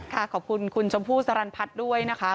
ขอบคุณคุณชมพู่สรรพัฒน์ด้วยนะคะ